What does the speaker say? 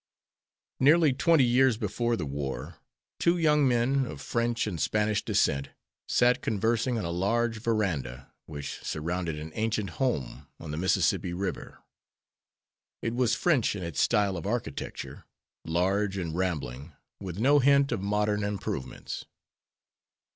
Nearly twenty years before the war, two young men, of French and Spanish descent, sat conversing on a large verandah which surrounded an ancient home on the Mississippi River. It was French in its style of architecture, large and rambling, with no hint of modern improvements.